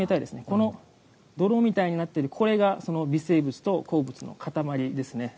この泥みたいになっているものが微生物と鉱物の塊です。